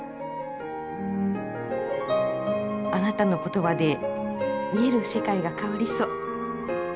あなたの言葉で見える世界が変わりそう。